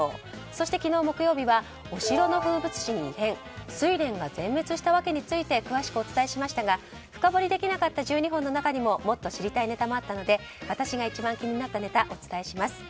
そして昨日、木曜日はお城の風物詩に異変スイレンが全滅した訳についてお伝えしましたが深掘りできなかった１２本の中にももっと知りたいネタがあったので私が一番気になったネタをお伝えします。